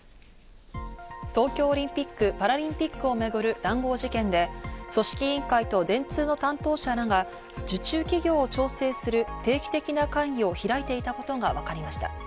東京オリンピック・パラリンピックを巡る談合事件で、組織委員会と電通の担当者らが受注企業を調整する定期的な会議を開いていたことがわかりました。